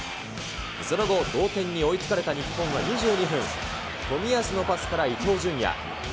その後、同点に追いつかれた日本は２２分、とみやすのパスから伊東純也。